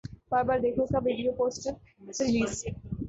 بار بار دیکھو کا video poster release